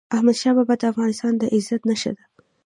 احمدشاه بابا د افغانستان د عزت نښه ده.